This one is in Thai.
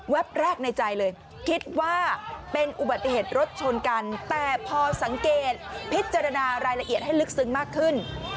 แรกในใจเลยคิดว่าเป็นอุบัติเหตุรถชนกันแต่พอสังเกตพิจารณารายละเอียดให้ลึกซึ้งมากขึ้น